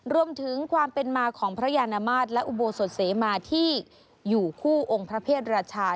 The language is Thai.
รวมถึงความเป็นมาของพระยานมาตรและอุโบสถเสมาที่อยู่คู่องค์พระเพศราชา